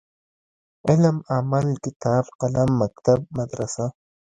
علم ،عمل ،کتاب ،قلم ،مکتب ،مدرسه